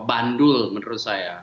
bandul menurut saya